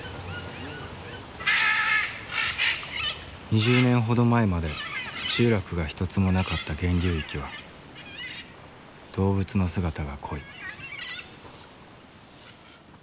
２０年ほど前まで集落が一つもなかった源流域は動物の姿が濃い。